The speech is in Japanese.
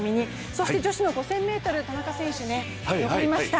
そして女子の５０００ｍ田中選手、残りました。